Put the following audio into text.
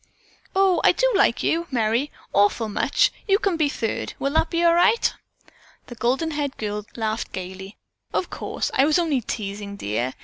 "Oh, I do like you, Merry, awful much. You can be third. Will that be all right?" The golden haired girl laughed gaily: "Of course, I was only teasing, dear.